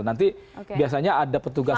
nanti biasanya ada petugas